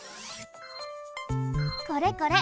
これこれ！